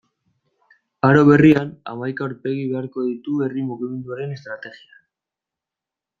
Aro berrian, hamaika aurpegi beharko ditu herri mugimenduaren estrategiak.